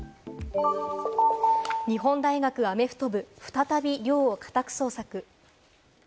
日本大学アメフト部、再び寮を家宅捜索。